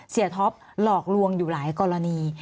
ท็อปหลอกลวงอยู่หลายกรณี